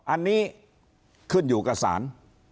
อันนี้ขึ้นอยู่กับศาล